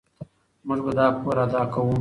موږ به دا پور ادا کوو.